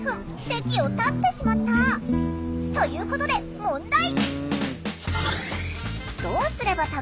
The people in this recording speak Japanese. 席を立ってしまった。ということで問題！